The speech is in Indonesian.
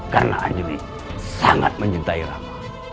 karena anjeli sangat mencintai rama